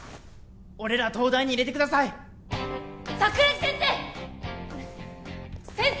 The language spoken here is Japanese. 俺ら東大に入れてくださいっ桜木先生！